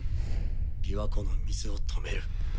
琵琶湖の水を止める。